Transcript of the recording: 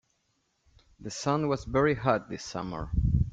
The sun was very hot this summer.